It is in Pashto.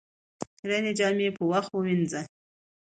خيرنې جامې په وخت ووينځه